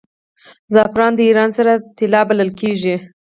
زعفران د ایران سره طلا بلل کیږي.